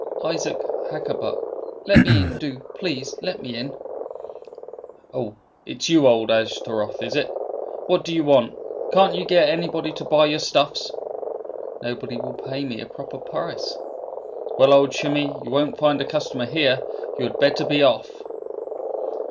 "Isaac Hakkabut. Let me in; do, please, let me in." "Oh, it is you, old Ashtaroth, is it? What do you want? Can't you get anybody to buy your stuffs?" "Nobody will pay me a proper price." "Well, old Shimei, you won't find a customer here. You had better be off."